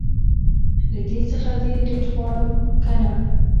له دې څخه دي ډير غواړم که نه